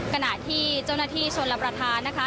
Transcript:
ขณะที่เจ้าหน้าที่ชนรับประทานนะคะ